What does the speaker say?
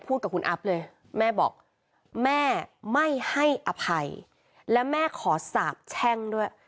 กับคุณอัพเลยแม่บอกแม่ไม่ให้อภัยและแม่ขอสาบแช่งด้วย